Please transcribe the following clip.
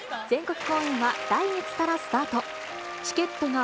全国公演は来月からスタート。